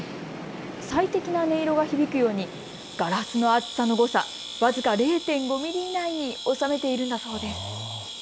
最適な音色が響くようにガラスの厚さの誤差僅か０．５ミリ以内に収めているんだそうです。